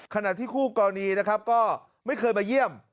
ขณะที่คู่กรณีนะครับก็ไม่เคยมาเยี่ยม